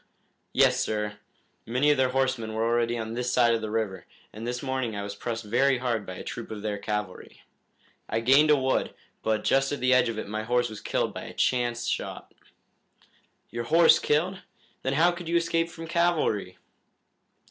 "Yes, sir. Many of their horsemen were already on this side of the river, and this morning I was pressed very hard by a troop of their cavalry. I gained a wood, but just at the edge of it my horse was killed by a chance shot." "Your horse killed? Then how could you escape from cavalry?"